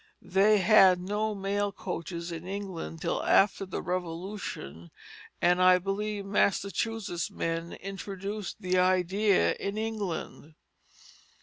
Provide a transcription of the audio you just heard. They had no mail coaches in England till after the Revolution, and I believe Massachusetts men introduced the idea in England."